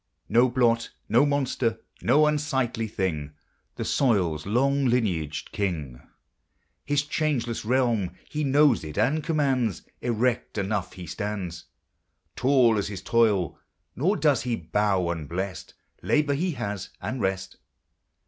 No blot, no monster, no unsightly thing, The soil's long lineaged king ; His changeless realm, he knows it and commands ; Erect enough he stands, Tall as his toil. Nor does he bow unblest : Labor he has, and rest.